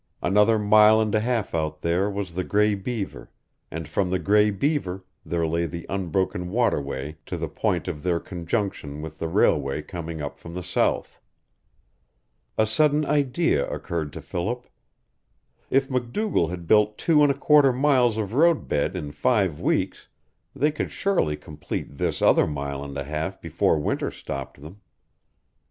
Another mile and a half out there was the Gray Beaver, and from the Gray Beaver there lay the unbroken waterway to the point of their conjunction with the railway coming up from the south. A sudden idea occurred to Philip. If MacDougall had built two and a quarter miles of road bed in five weeks they could surely complete this other mile and a half before winter stopped them.